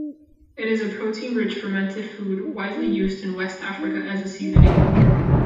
It is a protein-rich fermented food widely used in West Africa as a seasoning.